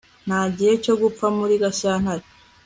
Nta gihe cyo gupfa muri Gashyantare